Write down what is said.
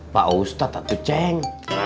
pak ustadz itu ceng